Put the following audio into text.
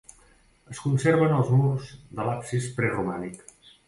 Es conserven els murs de l'absis preromànic.